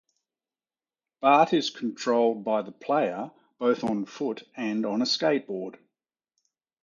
Bart is controlled by the player both on foot and on a skateboard.